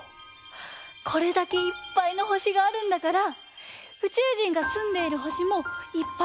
これだけいっぱいの星があるんだからうちゅうじんがすんでいる星もいっぱいあるとおもわない？